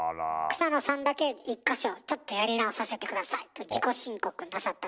草野さんだけ１か所「ちょっとやり直させて下さい」と自己申告なさったそうです。